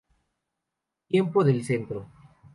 Tiempo del Centro.